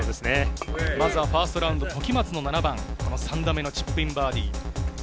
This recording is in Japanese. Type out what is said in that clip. まずはファーストラウンド、時松の７番、３打目のチップインバーディー。